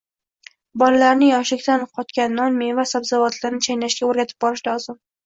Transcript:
Bolalarni yoshlikdan qotgan non, meva-sabzavotlarni chaynashga o‘rgatib borish lozim.